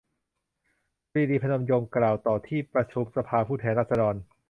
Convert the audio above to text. ปรีดี พนมยงค์ กล่าวต่อที่ประชุมสภาผู้แทนราษฎร